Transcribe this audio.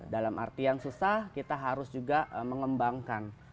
dalam artian susah kita harus juga mengembangkan